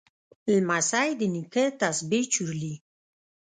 لمسی د نیکه تسبیح چورلي.